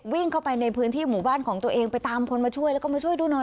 วิ่งเข้าไปในพื้นที่หมู่บ้านของตัวเองไปตามคนมาช่วยแล้วก็มาช่วยดูหน่อย